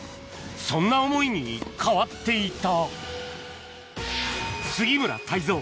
そんな思いに変わっていた。